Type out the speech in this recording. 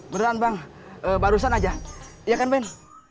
beneran bang barusan aja iya kan ben